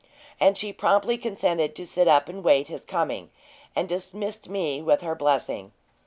And she promptly consented to sit up and wait his coming, and dismissed me with her blessing.